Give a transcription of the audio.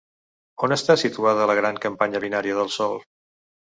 On està situada la gran companya binària del Sol?